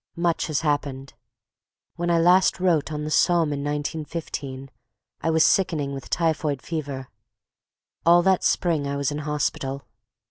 Much has happened. When I last wrote, on the Somme in 1915, I was sickening with typhoid fever. All that spring I was in hospital.